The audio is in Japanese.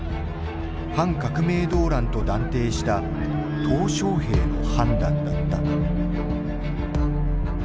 反革命動乱と断定した小平の判断だった。